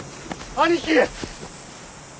兄貴！